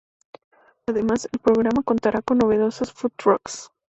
Además, el programa contará con novedosos food trucks.